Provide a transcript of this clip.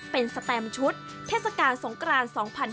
เป็นสแตมชุดเทศกาลสงกราน๒๕๕๙